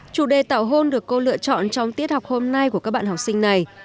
chủ đề tảo hôn được cô lựa chọn trong tiết học hôm nay của các bạn học sinh này